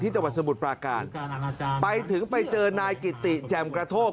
จังหวัดสมุทรปราการไปถึงไปเจอนายกิติแจ่มกระโทก